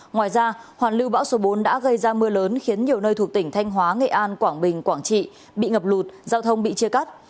ngoài ra hoàn lưu bão số bốn đã gây ra mưa lớn khiến nhiều nơi thuộc tỉnh thanh hóa nghệ an quảng bình quảng trị bị ngập lụt giao thông bị chia cắt